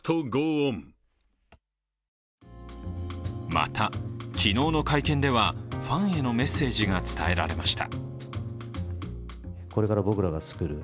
また、昨日の会見ではファンヘのメッセージが伝えられました。